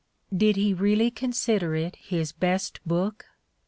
Did he really consider it his best book?